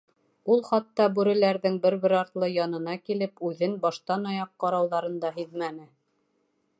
Ул хатта бүреләрҙең бер-бер артлы янына килеп, үҙен баштан-аяҡ ҡарауҙарын да һиҙмәне.